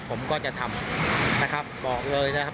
ผมก็จะทำนะครับบอกเลยนะครับ